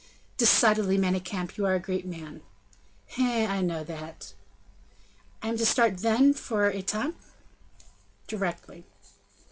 "Decidedly, Manicamp, you are a great man." "Hein! I know that." "I am to start then for Etampes?" "Directly."